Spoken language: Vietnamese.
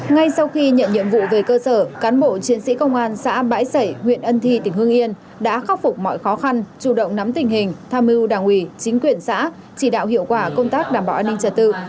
ngay sau khi nhận nhiệm vụ về cơ sở cán bộ chiến sĩ công an xã bãi sảy huyện ân thi tỉnh hương yên đã khắc phục mọi khó khăn chủ động nắm tình hình tham mưu đảng ủy chính quyền xã chỉ đạo hiệu quả công tác đảm bảo an ninh trật tự